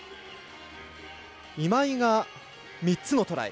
今井が３つのトライ。